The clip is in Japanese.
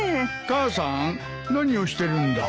母さん何をしてるんだ？